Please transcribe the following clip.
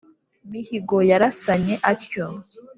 mihigo yarasanye atyo